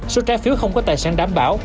số trái phiếu không có tài sản đảm bảo